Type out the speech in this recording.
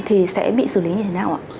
thì sẽ bị xử lý như thế nào ạ